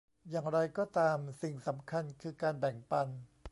อย่างไรก็ตาม สิ่งสำคัญคือการแบ่งปัน